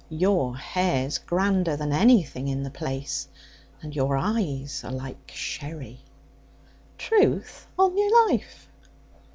'Your hair's grander than anything in the place. And your eyes are like sherry.' 'Truth on your life?'